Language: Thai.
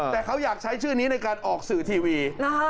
แต่เขาอยากใช้ชื่อนี้ในการออกสื่อทีวี